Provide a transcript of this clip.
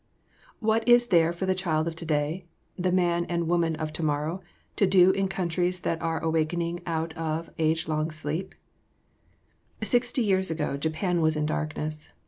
] What is there for the child of today, the man and woman of tomorrow, to do in countries that are awaking out of age long sleep? [Sidenote: Changes in Japan.] Sixty years ago Japan was in darkness.